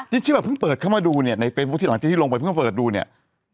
นี่ที่แบบเพิ่งเปิดเข้ามาดูเนี่ยในเป็นพวกที่หลังที่ลงไปเพิ่งมาเปิดดูเนี่ย